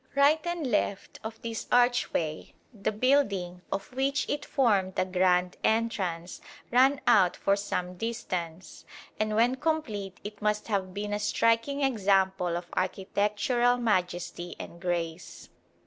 Right and left of this archway the building of which it formed a grand entrance ran out for some distance, and when complete it must have been a striking example of architectural majesty and grace.